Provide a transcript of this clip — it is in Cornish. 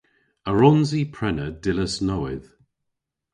A wrons i prena dillas nowydh?